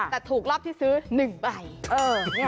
แต่ถูกรอบที่ซื้อ๑ใบ